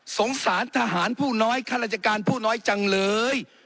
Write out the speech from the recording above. สงสารทหารผู้น้อยข้าราชการผู้น้อยจังเลย